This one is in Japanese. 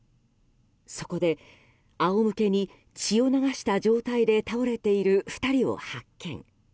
そこで、仰向けに血を流した状態で倒れている２人を発見。